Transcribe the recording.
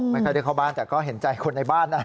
ไม่ค่อยได้เข้าบ้านแต่ก็เห็นใจคนในบ้านนะ